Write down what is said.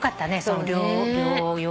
そう。